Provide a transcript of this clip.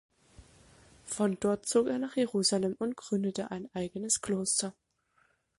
Von dort zog er nach Jerusalem und gründete ein eigenes Kloster.